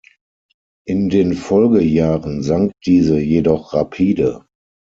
In den Folgejahren sank diese jedoch rapide.